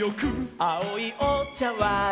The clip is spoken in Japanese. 「あおいおちゃわん」